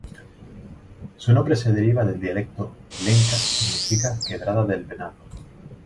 Su nombre se deriva del dialecto lenca y significa "Quebrada del venado".